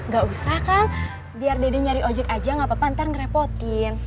gak usah kang biar dede nyari ojek aja gak apa apa ntar ngerepotin